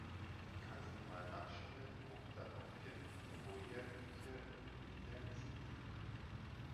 Kannst du mal nachschauen, ob da noch genug Feuertücher und Windeln sind?